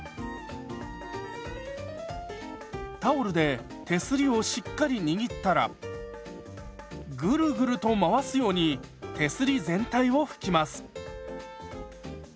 タオルで手すりをしっかり握ったらグルグルと回すように手すり全体を拭きます。